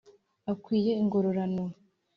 Akwiye ingororano.